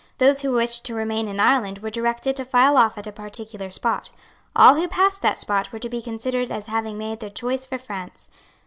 Those who wished to remain in Ireland were directed to file off at a particular spot. All who passed that spot were to be considered as having made their choice for France.